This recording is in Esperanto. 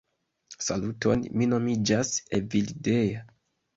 Saluton, mi nomiĝas Evildea